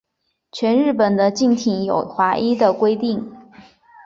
全日本的竞艇有划一的规定。